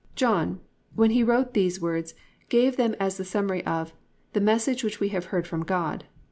"+ John when he wrote these words gave them as the summary of +"The message which we have heard from God."